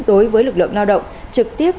đối với lực lượng lao động trực tiếp